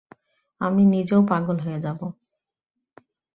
আমি নিজেও পাগল হয়ে যাব।